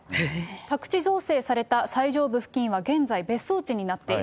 宅地造成された最上部付近は現在、別荘地になっている。